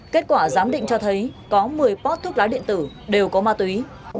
kết quả giám định cho thấy có một mươi pot thuốc lá điện tử đều có ma túy